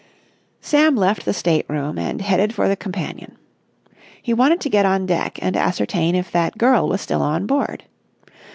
Sam left the state room and headed for the companion. He wanted to get on deck and ascertain if that girl was still on board.